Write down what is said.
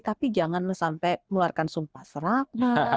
tapi jangan sampai meluarkan sumpah serap